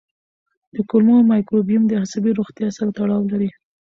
د کولمو مایکروبیوم د عصبي روغتیا سره تړاو لري.